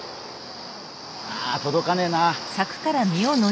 ああ届かねえなあ。